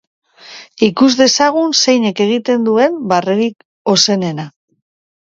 Ikus dezagun zeinek egiten duen barrerik ozenena!